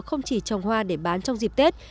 không chỉ trồng hoa để bán trong dịp tết